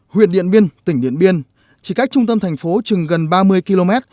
huyện điện biên tỉnh điện biên chỉ cách trung tâm thành phố chừng gần ba mươi km